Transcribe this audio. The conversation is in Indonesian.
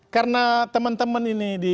karena teman teman ini